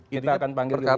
kita akan panggil ke yulianis